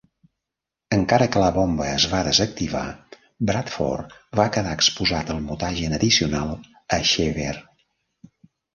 Encara que la bomba es va desactivar, Bradford va quedar exposat al mutagen addicional a Xever.